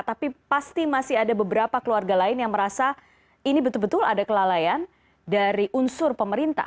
tapi pasti masih ada beberapa keluarga lain yang merasa ini betul betul ada kelalaian dari unsur pemerintah